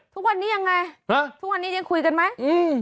ทุกวันนี้ยังไงฮะทุกวันนี้ยังคุยกันไหมอืม